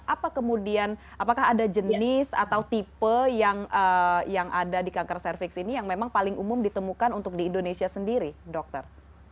apa kemudian apakah ada jenis atau tipe yang ada di kanker cervix ini yang memang paling umum ditemukan untuk di indonesia sendiri dokter